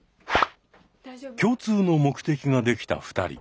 共通の目的ができた２人。